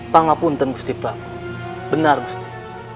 pangapunten gusti prabu benar gusti